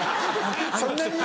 そんなにね